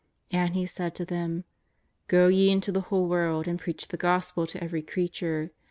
And He said to them: " Go ye into the whole world and preach the Gos pel to every creature.